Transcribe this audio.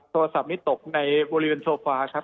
โทรศัพท์นี้ตกในบริเวณโซฟาครับ